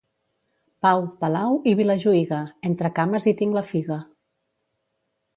Pau, Palau i Vilajuïga, entre cames hi tinc la figa.